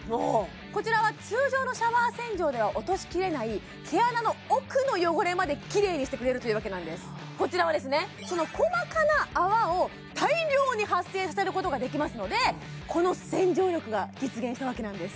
こちらは通常のシャワー洗浄では落としきれない毛穴の奥の汚れまできれいにしてくれるというわけなんですこちらはですねその細かな泡を大量に発生させることができますのでこの洗浄力が実現したわけなんです